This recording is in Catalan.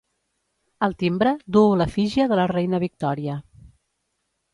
El timbre duu l'efígie de la reina Victòria.